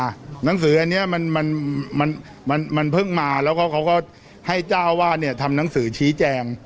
หนังสืออันนี้มันเพิ่งมาแล้วก็เขาก็ให้เจ้าอาวาสเนี่ยทำหนังสือชี้แจง